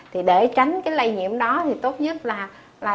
thì để tránh cái lây nhiễm đó thì tốt nhất là